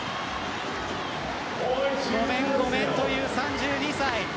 ごめん、ごめんという３２歳。